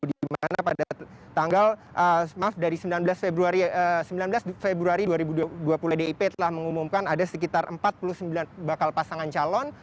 di mana pada tanggal maaf dari sembilan belas februari dua ribu dua puluh pdip telah mengumumkan ada sekitar empat puluh sembilan bakal pasangan calon